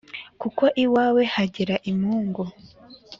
kuko iwawe hagera impungu